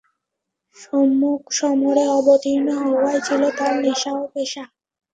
সম্মুখ সমরে অবতীর্ণ হওয়াই ছিল তার নেশা ও পেশা।